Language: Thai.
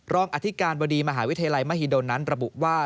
อธิการบดีมหาวิทยาลัยมหิดลนั้นระบุว่า